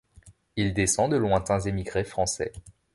Il descend de lointains émigrés français.